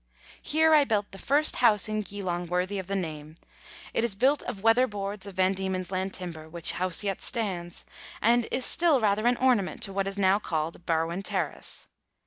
Here I built the first house in Geelong worthy of the name ; it is built of weatherboards of Van Diemen's Land timber, which house yet stands, and is still rather an ornament to what is now called Barwon Terrace.